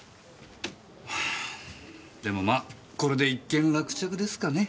でもまこれで一件落着ですかね。